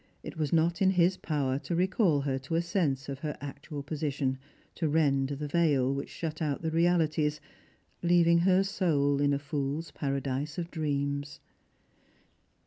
It was not in his power to recall her to a sense of her actual posi tion — to rend the veil which shut out the realities — leaving her soul in a fool's paradise of dreams.